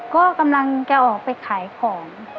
ก็กำลังจะออกไปขายของ